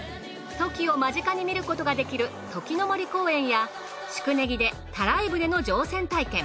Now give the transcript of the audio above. トキを間近に見ることができるトキの森公園や宿根木でたらい船の乗船体験。